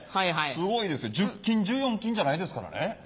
すごいですよ１０金１４金じゃないですからね。